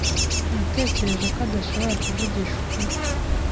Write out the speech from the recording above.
Natekereje ko adashobora kuvugisha ukuri.